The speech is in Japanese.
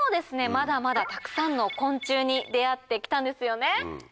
まだまだたくさんの昆虫に出合ってきたんですよね？